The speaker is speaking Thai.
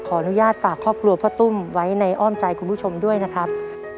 ขออนุญาตฝากครอบครัวพ่อตุ้มไว้ในอ้อมใจคุณผู้ชมด้วยนะครับ